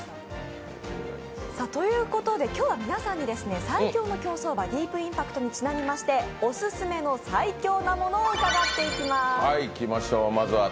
ということで今日は皆さんに最強の競走馬・ディープインパクトにちなみまして、オススメの最強なものを伺っていきます。